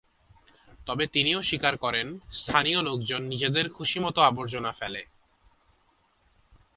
তবে তিনিও স্বীকার করেন, স্থানীয় লোকজন নিজেদের খুশি মতো আবর্জনা ফেলে।